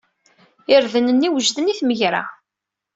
Irden-nni wejden i tmegra.